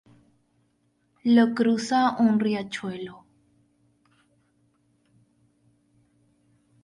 Lo cruza un riachuelo.